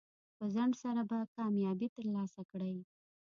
په ځنډ سره به کامیابي ترلاسه کړئ.